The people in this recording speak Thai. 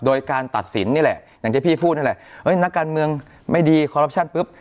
โดยการตัดสินนี่แหละอย่างเจ๊พี่พูดนี่แหละเอ้ยนักการเมืองไม่ดีปุ๊บ